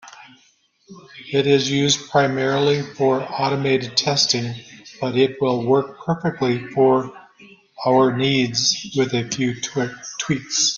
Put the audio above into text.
It is used primarily for automated testing, but it will work perfectly for our needs, with a few tweaks.